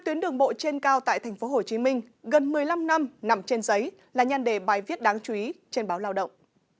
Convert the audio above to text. tuyến đường bộ trên cao tại tp hcm gần một mươi năm năm nằm trên giấy là nhan đề bài viết đáng chú ý trên báo lao động